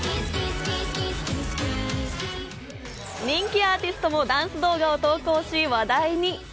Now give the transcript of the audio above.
人気アーティストもダンス動画を投稿し、話題に。